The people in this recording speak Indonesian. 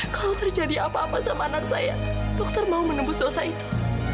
kalau terjadi apa apa sama anak saya dokter mau menembus dosa itu